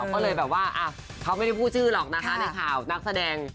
ก็เลยแบบว่าเขาไม่ได้พูดชื่อหรอกนะคะในข่าวนักแสดง